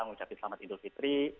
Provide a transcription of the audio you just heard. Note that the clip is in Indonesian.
mengucapkan selamat hidup fitri